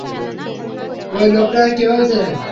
ওই লোকটাকে কীভাবে চেনেন?